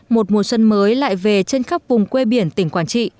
một mùa xuân mới lại về trên khắp vùng quê biển tỉnh quảng trị